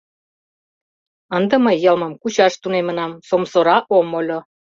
Ынде мый йылмым кучаш тунемынам, сомсора ом ойло.